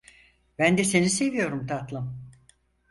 Ben de seni seviyorum tatlım.